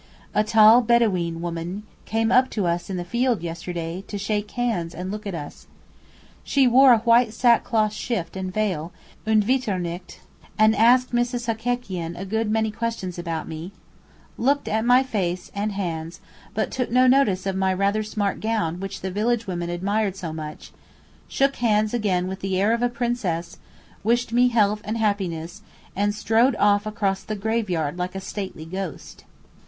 A tall Bedaween woman came up to us in the field yesterday to shake hands and look at us. She wore a white sackcloth shift and veil, und weiter nichts, and asked Mrs. Hekekian a good many questions about me, looked at my face and hands, but took no notice of my rather smart gown which the village women admired so much, shook hands again with the air of a princess, wished me health and happiness, and strode off across the graveyard like a stately ghost.